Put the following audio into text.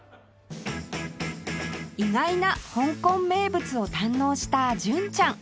意外な香港名物を堪能した純ちゃん